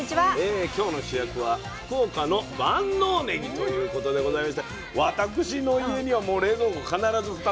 今日の主役は「福岡の万能ねぎ」ということでございまして私の家にはもう冷蔵庫必ず２束ぐらい常時入っております。